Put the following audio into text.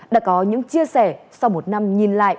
đã có những chia sẻ sau một năm nhìn lại